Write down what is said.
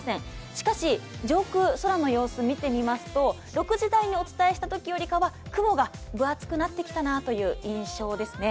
しかし、上空、空の様子、見てみますと６時台にお伝えしたときより雲が分厚くなってきたなという印象ですね。